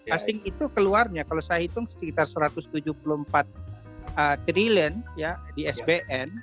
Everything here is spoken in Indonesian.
asing itu keluarnya kalau saya hitung sekitar satu ratus tujuh puluh empat triliun di sbn